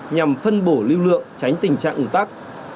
nhằm phân bổ lưu lượng tránh tình trạng ủng tắc